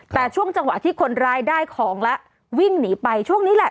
แต่ช่วงจังหวะที่คนร้ายได้ของแล้ววิ่งหนีไปช่วงนี้แหละ